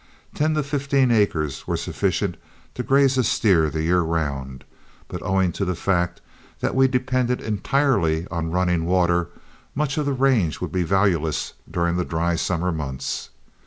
Ten to fifteen acres were sufficient to graze a steer the year round, but owing to the fact that we depended entirely on running water, much of the range would be valueless during the dry summer months.